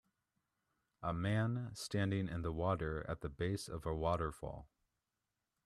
A man standing in the water at the base of a waterfall.